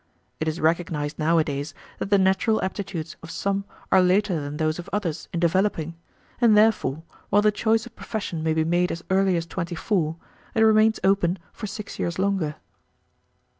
It is recognized nowadays that the natural aptitudes of some are later than those of others in developing, and therefore, while the choice of profession may be made as early as twenty four, it remains open for six years longer."